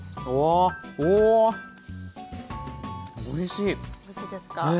おいしいですか？